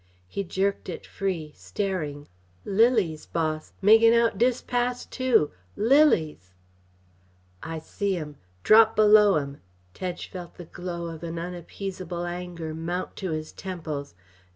He jerked it free, staring. "Lilies, boss makin' out dis pass, too, lilies " "I see 'em drop below 'em!" Tedge felt the glow of an unappeasable anger mount to his temples.